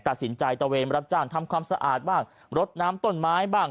ตัดสินใจตะเวนรับจ้างทำความสะอาดบ้างรดน้ำต้นไม้บ้าง